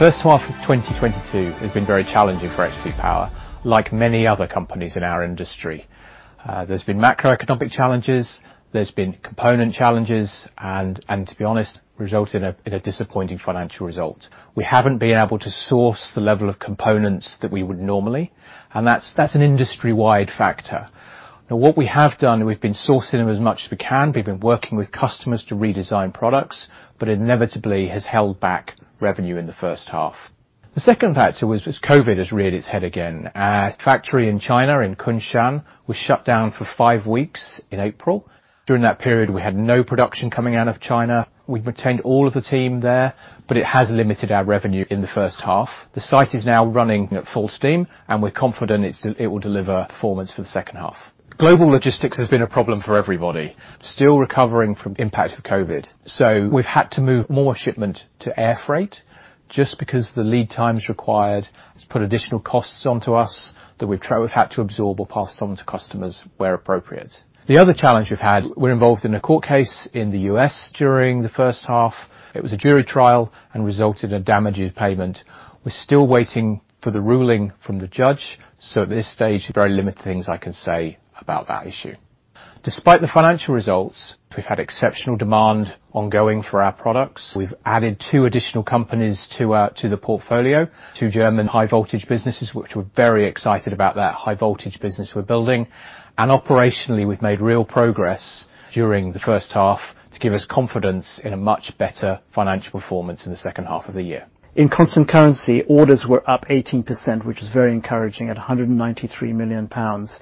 The first half of 2022 has been very challenging for XP Power, like many other companies in our industry. There's been macroeconomic challenges, there's been component challenges, and to be honest, resulted in a disappointing financial result. We haven't been able to source the level of components that we would normally, and that's an industry-wide factor. Now, what we have done, we've been sourcing them as much as we can. We've been working with customers to redesign products, but inevitably has held back revenue in the first half. The second factor was COVID has reared its head again. Our factory in China, in Kunshan, was shut down for five weeks in April. During that period, we had no production coming out of China. We've retained all of the team there, but it has limited our revenue in the first half. The site is now running at full steam, and we're confident it will deliver performance for the second half. Global logistics has been a problem for everybody, still recovering from impact of COVID. We've had to move more shipment to air freight just because the lead times required. It's put additional costs onto us that we've had to absorb or pass on to customers where appropriate. The other challenge we've had, we're involved in a court case in the U.S. during the first half. It was a jury trial and resulted in damages payment. We're still waiting for the ruling from the judge, so at this stage, very limited things I can say about that issue. Despite the financial results, we've had exceptional demand ongoing for our products. We've added two additional companies to the portfolio, two German high-voltage businesses, which we're very excited about that high-voltage business we're building. Operationally, we've made real progress during the first half to give us confidence in a much better financial performance in the second half of the year. In constant currency, orders were up 18%, which is very encouraging, at 193 million pounds.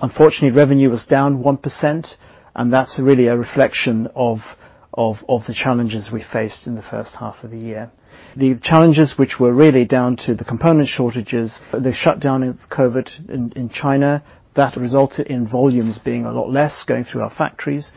Unfortunately, revenue was down 1%, and that's really a reflection of the challenges we faced in the first half of the year. The challenges which were really down to the component shortages, the shutdown of COVID in China, that resulted in volumes being a lot less going through our factories.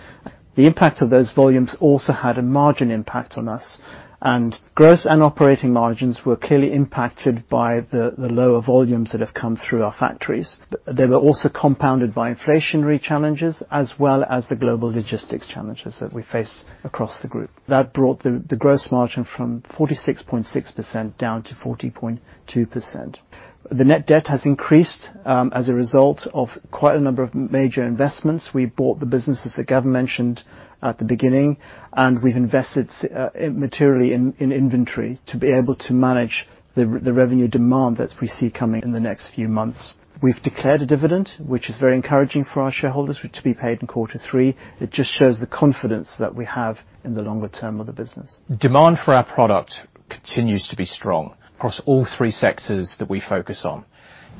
The impact of those volumes also had a margin impact on us, and gross and operating margins were clearly impacted by the lower volumes that have come through our factories. They were also compounded by inflationary challenges as well as the global logistics challenges that we face across the group. That brought the gross margin from 46.6% down to 40.2%. The net debt has increased as a result of quite a number of major investments. We bought the businesses that Gavin mentioned at the beginning, and we've invested materially in inventory to be able to manage the revenue demand that we see coming in the next few months. We've declared a dividend, which is very encouraging for our shareholders, to be paid in quarter three. It just shows the confidence that we have in the longer-term of the business. Demand for our product continues to be strong across all three sectors that we focus on.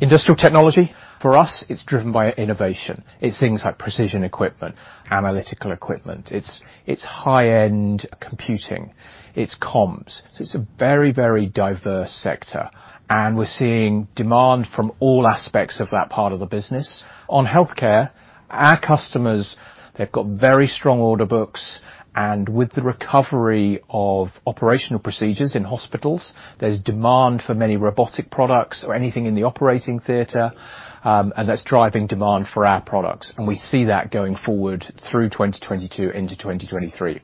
Industrial technology, for us, it's driven by innovation. It's things like precision equipment, analytical equipment. It's high-end computing. It's comms. So it's a very, very diverse sector, and we're seeing demand from all aspects of that part of the business. On healthcare, our customers, they've got very strong order books, and with the recovery of operational procedures in hospitals, there's demand for many robotic products or anything in the operating theater, and that's driving demand for our products, and we see that going forward through 2022 into 2023.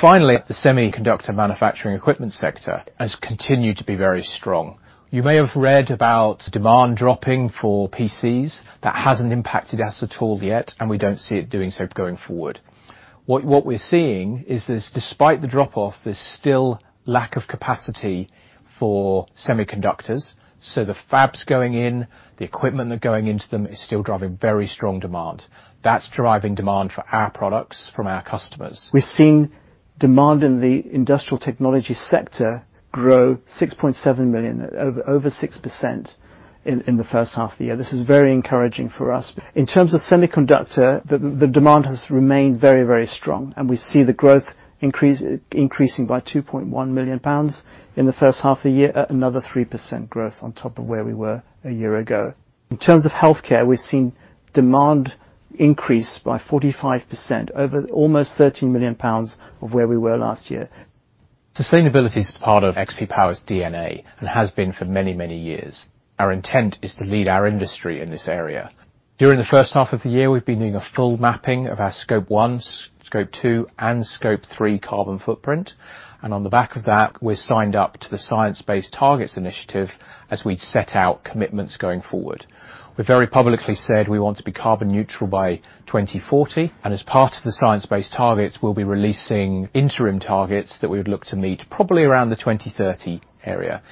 Finally, the semiconductor manufacturing equipment sector has continued to be very strong. You may have read about demand dropping for PCs. That hasn't impacted us at all yet, and we don't see it doing so going forward. What we're seeing is this, despite the drop-off, there's still lack of capacity for semiconductors. The fabs going in, the equipment that's going into them is still driving very strong demand. That's driving demand for our products from our customers. We've seen demand in the industrial technology sector grow 6.7 million, over 6% in the first half of the year. This is very encouraging for us. In terms of semiconductor, the demand has remained very strong, and we see the growth increasing by 2.1 million pounds in the first half of the year, at another 3% growth on top of where we were a year ago. In terms of healthcare, we've seen demand increase by 45%, over almost 13 million pounds of where we were last year. Sustainability is part of XP Power's DNA, and has been for many, many years. Our intent is to lead our industry in this area. During the first half of the year, we've been doing a full mapping of our scope 1, scope 2, and scope 3 carbon footprint, and on the back of that, we've signed up to the Science Based Targets initiative as we set out commitments going forward. We've very publicly said we want to be carbon neutral by 2040, and as part of the Science Based Targets, we'll be releasing interim targets that we would look to meet probably around the 2030 area.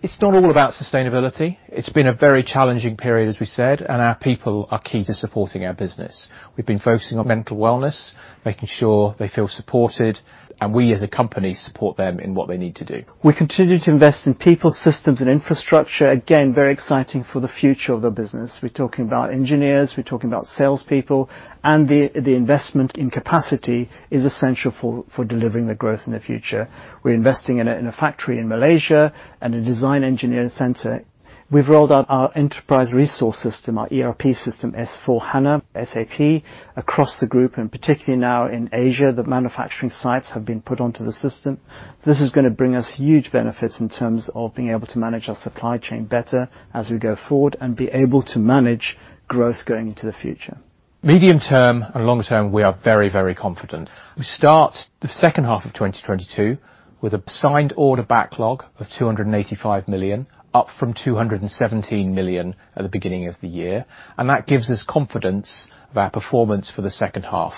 It's not all about sustainability. It's been a very challenging period, as we said, and our people are key to supporting our business. We've been focusing on mental wellness, making sure they feel supported, and we as a company support them in what they need to do. We continue to invest in people, systems, and infrastructure. Again, very exciting for the future of the business. We're talking about engineers, we're talking about salespeople, and the investment in capacity is essential for delivering the growth in the future. We're investing in a factory in Malaysia and a design engineering center. We've rolled out our Enterprise Resource System, our ERP system, SAP S/4HANA, across the group, and particularly now in Asia, the manufacturing sites have been put onto the system. This is gonna bring us huge benefits in terms of being able to manage our supply chain better as we go forward and be able to manage growth going into the future. Medium term and long term, we are very, very confident. We start the second half of 2022 with a signed order backlog of 285 million, up from 217 million at the beginning of the year, and that gives us confidence of our performance for the second half.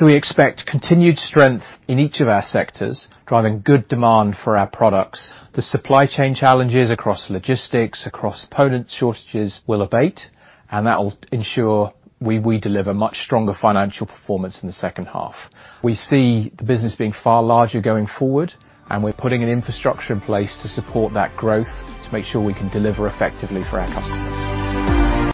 We expect continued strength in each of our sectors, driving good demand for our products. The supply chain challenges across logistics, across component shortages will abate, and that will ensure we deliver much stronger financial performance in the second half. We see the business being far larger going forward, and we're putting an infrastructure in place to support that growth to make sure we can deliver effectively for our customers.